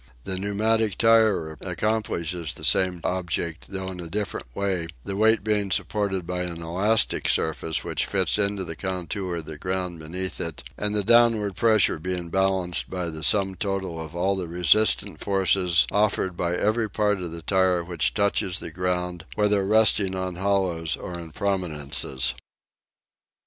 The pneumatic tyre accomplishes the same object, although in a different way, the weight being supported by an elastic surface which fits into the contour of the ground beneath it; and the downward pressure being balanced by the sum total of all the resistant forces offered by every part of the tyre which touches the ground, whether resting on hollows or on prominences.